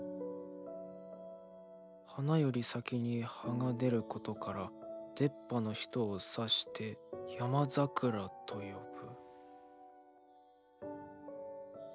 「花より先に葉が出ることから出っ歯の人を指して『山桜』と呼ぶ」。